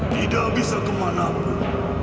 tidak bisa kemanapun